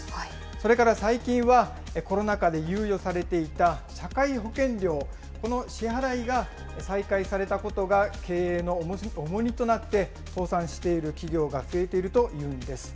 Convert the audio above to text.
それから最近は、コロナ禍で猶予されていた社会保険料、この支払いが再開されたことが経営の重荷となって、倒産している企業が増えているというんです。